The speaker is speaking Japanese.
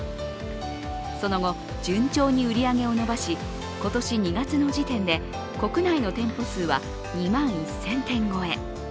その後、順調に売り上げを伸ばし今年２月の時点で、国内の店舗数は２万１０００店超え